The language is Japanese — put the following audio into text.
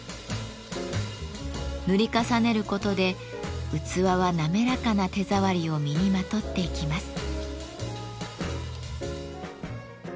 塗り重ねることで器は滑らかな手触りを身にまとっていきます。